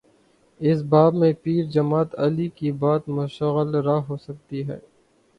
اس باب میں پیر جماعت علی کی بات مشعل راہ ہو سکتی ہے۔